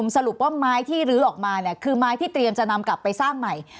สรุปว่าไม้ที่ลื้อออกมาเนี่ยคือไม้ที่เตรียมจะนำกลับไปสร้างใหม่